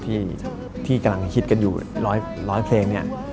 ที่กำลังฮิตกันอยู่ร้อยเพลงเนี่ย